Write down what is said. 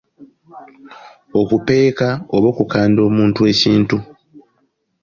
Okupeeka oba okukanda omuntu ekintu.